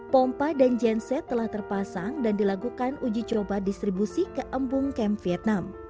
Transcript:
pompa dan genset telah terpasang dan dilakukan uji coba distribusi ke embung kem vietnam